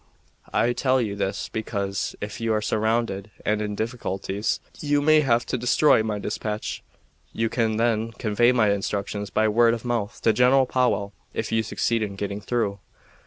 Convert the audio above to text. I tell you this because, if you are surrounded and in difficulties, you may have to destroy my dispatch. You can then convey my instructions by word of mouth to General Powell if you succeed in getting through."